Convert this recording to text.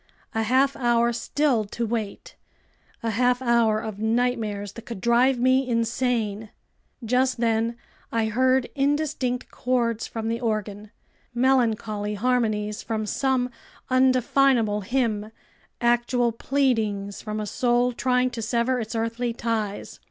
A half hour still to wait! A half hour of nightmares that could drive me insane! Just then I heard indistinct chords from the organ, melancholy harmonies from some undefinable hymn, actual pleadings from a soul trying to sever its earthly ties.